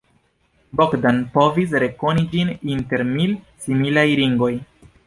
Bogdan povis rekoni ĝin inter mil similaj ringoj.